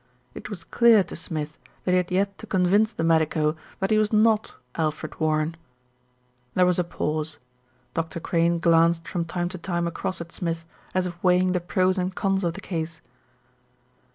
It was clear to Smith that he had yet to convince the medico that he was not Alfred Warren. There was a pause. Dr. Crane glanced from time to time across at Smith, as if weighing the pros and cons of the case.